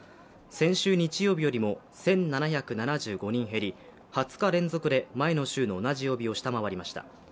先週日曜日よりも１７７５人減り２０日連続で前の週の同じ曜日を下回りました。